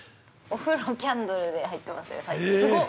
◆お風呂、キャンドルで入ってますよ、最近。